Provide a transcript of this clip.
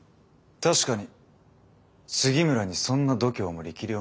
確かに杉村にそんな度胸も力量もない。